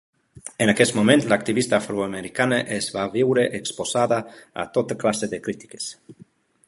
En aquest moment, l'activista afroamericana es va veure exposada a tota classe de crítiques.